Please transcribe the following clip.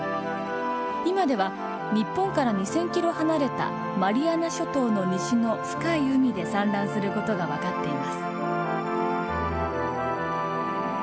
今では日本から２，０００キロはなれたマリアナ諸島の西の深い海で産卵することがわかっています